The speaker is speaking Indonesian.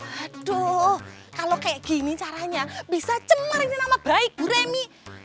aduh kalau kayak gini caranya bisa cemar ini nama baik bu remi